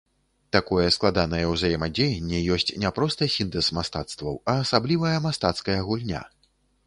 Такое складанае ўзаемадзеянне ёсць не проста сінтэз мастацтваў, а асаблівая мастацкая гульня.